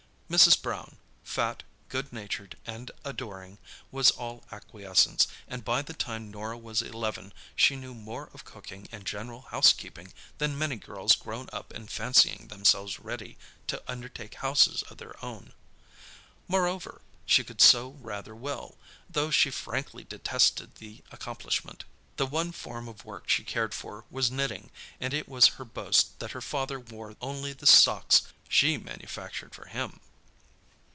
Mrs. Brown—fat, good natured and adoring—was all acquiescence, and by the time Norah was eleven she knew more of cooking and general housekeeping than many girls grown up and fancying themselves ready to undertake houses of their own. Moreover, she could sew rather well, though she frankly detested the accomplishment. The one form of work she cared for was knitting, and it was her boast that her father wore only the socks she manufactured for him.